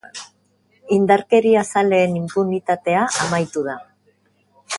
Indarkeriazaleen inpunitatea amaitu da.